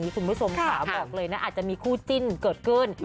คุณผู้ชมค่ะบอกเลยนะอาจจะมีคู่จิ้นเกิดขึ้น